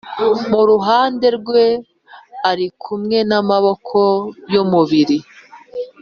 Mu ruhande rwe ari kumwe n amaboko y umubiri